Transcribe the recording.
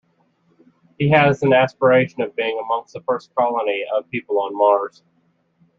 He has an aspiration of being amongst the first colony of people on Mars.